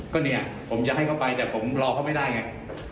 ก็เนี่ยผมจะให้เขาไปแต่ผมรอเขาไม่ได้ไง